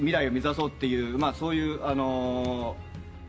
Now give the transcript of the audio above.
そういう。